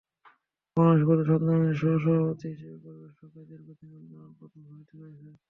বাংলাদেশ পরিবেশ আন্দোলনের সহসভাপতি হিসেবে পরিবেশ রক্ষায় দীর্ঘদিন আন্দোলনের প্রথম সারিতে রয়েছেন।